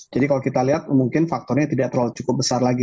jadi kalau kita lihat mungkin faktornya tidak terlalu cukup besar lagi